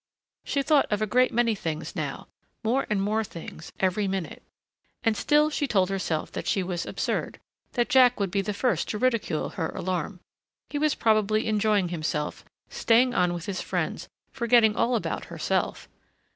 She thought of a great many things now, more and more things every minute. And still she told herself that she was absurd, that Jack would be the first to ridicule her alarm. He was probably enjoying himself, staying on with his friends, forgetting all about herself....